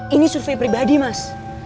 ini survei pribadi mas